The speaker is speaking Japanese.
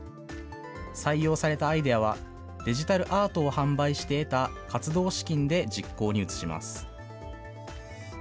採用されたアイデアは、デジタルアートを販売して得た活動資金で実行に移します。